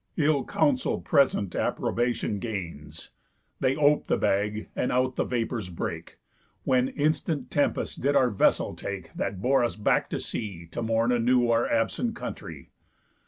Ill counsel present approbation gains. They op'd the bag, and out the vapours brake, When instant tempest did our vessel take, That bore us back to sea, to mourn anew Our absent country.